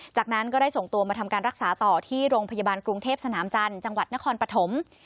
จากนั้นก็ได้ส่งตัวมาทำการรักษาต่อที่โรงพยาบาลกรุงเทพสนามจันทร์จังหวัดนครปฐม